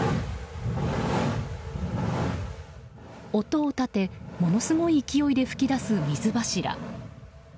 音を立てものすごい勢いで噴き出す水柱。